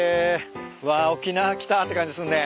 わ沖縄来たって感じするね。